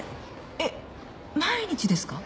えっ毎日ですか？